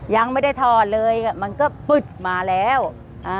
ยังไม่ได้ถอดเลยมันก็ปึ๊ดมาแล้วอ่า